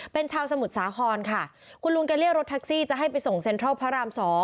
เป็นชาวสมุทรสาครค่ะคุณลุงแกเรียกรถแท็กซี่จะให้ไปส่งเซ็นทรัลพระราม๒